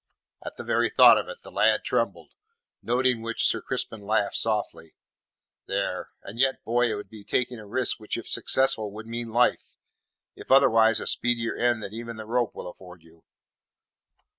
At the very thought of it the lad trembled, noting which Sir Crispin laughed softly. "There. And yet, boy, it would be taking a risk which if successful would mean life if otherwise, a speedier end than even the rope will afford you.